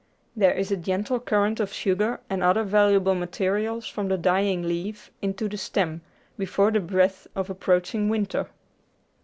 There is a gentle current of sugar and other val uable materials from the dying leaf into the stem before the breath of approaching winter.